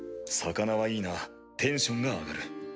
魚はいいなテンションが上がる。